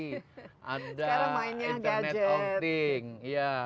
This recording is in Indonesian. sekarang mainnya gadget